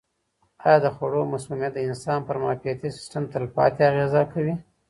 آیا د خوړو مسمومیت د انسان پر معافیتي سیستم تلپاتې اغېزه کوي؟